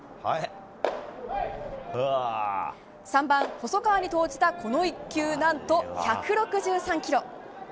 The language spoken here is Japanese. ３番、細川に投じたこの一球何と１６３キロ。